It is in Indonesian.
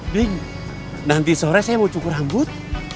bling nanti sore saya mau cukur rambut